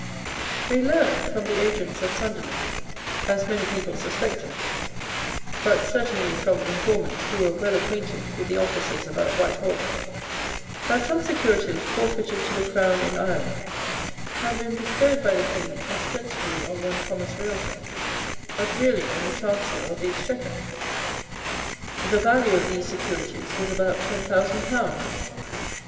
They learned, from the agents of Sunderland, as many people suspected, but certainly from informants who were well acquainted with the offices about Whitehall, that some securities forfeited to the Crown in Ireland had been bestowed by the King ostensibly on one Thomas Railton, but really on the Chancellor of the Exchequer. The value of these securities was about ten thousand pounds.